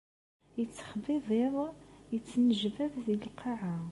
Yettexbibiḍ, yettnejbad deg lqaɛa.